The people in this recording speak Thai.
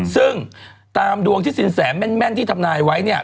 ซึ่งตามดวงที่สินแสแม่นที่ทำนายไว้เนี่ย